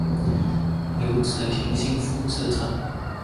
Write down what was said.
留职停薪复职者